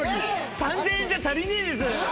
３，０００円じゃ足りねえです。